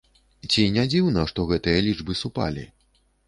Ці не дзіўна, што гэтыя лічбы супалі?